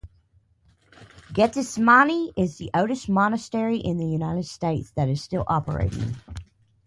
Gethsemani is the oldest monastery in the United States that is still operating.